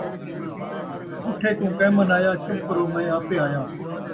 رُٹھے کوں کئیں منایا ، چپ کرو میں آپے آیا